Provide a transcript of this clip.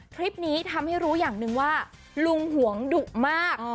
คลิปนี้ทำให้รู้อย่างหนึ่งว่าลุงหวงดุมาก